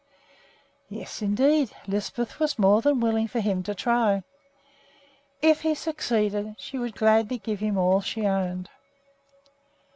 Yes, indeed, Lisbeth was more than willing for him to try. If he succeeded, she would gladly give him all she owned.